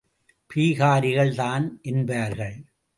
பீகாரிகள் தான் என்பார்கள்.